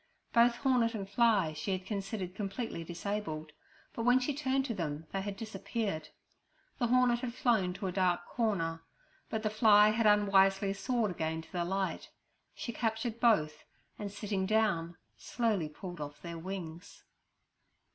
Both hornet and fly she had considered completely disabled, but when she turned to them they had disappeared. The hornet had flown to a dark corner, but the fly had unwisely soared again to the light. She captured both, and, sitting down, slowly pulled off their wings.